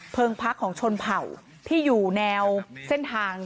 พักของชนเผ่าที่อยู่แนวเส้นทาง